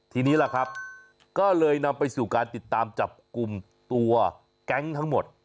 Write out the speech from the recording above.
ทีนี้ล่ะครับก็เลยนำไปสู่การติดตามจับกลุ่มตัวแก๊งทั้งหมด